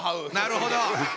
なるほど。